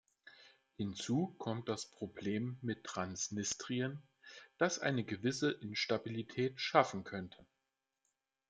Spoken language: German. Hinzu kommt das Problem mit Transnistrien, das eine gewisse Instabilität schaffen könnte.